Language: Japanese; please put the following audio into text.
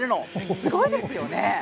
すごいですよね！